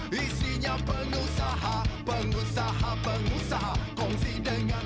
terima kasih desi anwar